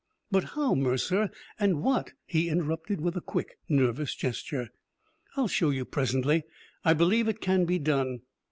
"But how, Mercer? And what "He interrupted with a quick, nervous gesture. "I'll show you, presently. I believe it can be done.